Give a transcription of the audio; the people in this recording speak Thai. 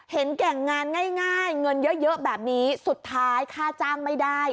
แก่งงานง่ายเงินเยอะแบบนี้สุดท้ายค่าจ้างไม่ได้